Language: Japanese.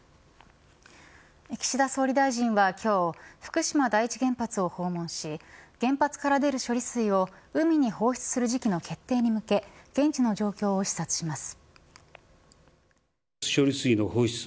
岸田総理大臣は今日福島第１原発を訪問し原発から出る処理水を海に放出する時期の決定に向け現地の状況を視察します。